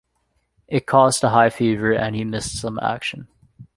It caused a high fever and he missed some action.